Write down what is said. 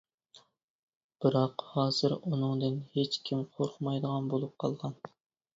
بىراق ھازىر ئۇنىڭدىن ھېچكىم قورقمايدىغان بولۇپ قالغان.